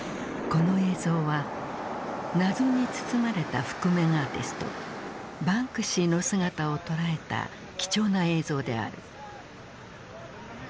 この映像は謎に包まれた覆面アーティストバンクシーの姿を捉えた貴重な映像である。